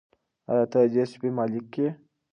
آیا ته د دې سپي مالیک یې؟